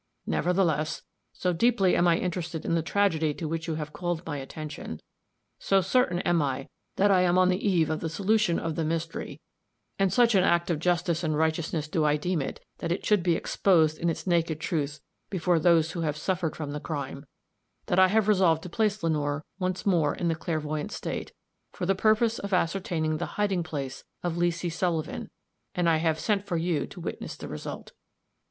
Nevertheless, so deeply am I interested in the tragedy to which you have called my attention so certain am I that I am on the eve of the solution of the mystery and such an act of justice and righteousness do I deem it that it should be exposed in its naked truth before those who have suffered from the crime that I have resolved to place Lenore once more in the clairvoyant state, for the purpose of ascertaining the hiding place of Leesy Sullivan, and I have sent for you to witness the result."